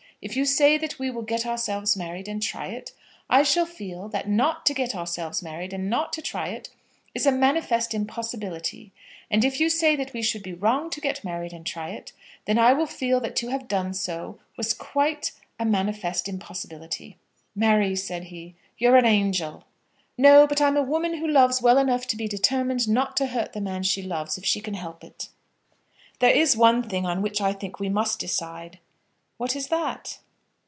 If you say that we will get ourselves married and try it, I shall feel that not to get ourselves married and not to try it is a manifest impossibility; and if you say that we should be wrong to get married and try it, then I will feel that to have done so was quite a manifest impossibility." "Mary," said he, "you're an angel." "No; but I'm a woman who loves well enough to be determined not to hurt the man she loves if she can help it." "There is one thing on which I think we must decide." "What is that?"